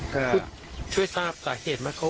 ก็ช่วยทราบสาเหตุมาเข้าไป